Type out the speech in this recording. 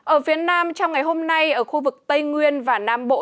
ở phía nam trong ngày hôm nay ở khu vực tây nguyên và nam bộ